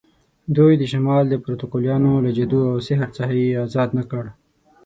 دوی د شمال د پروتوکولیانو له جادو او سحر څخه یې آزاد نه کړ.